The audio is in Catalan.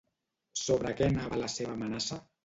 Sobre què anava la seva amenaça?